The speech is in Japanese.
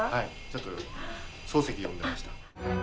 ちょっと漱石読んでました。